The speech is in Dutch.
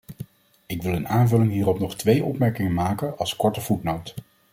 Ik wil in aanvulling hierop nog twee opmerkingen maken als korte voetnoot.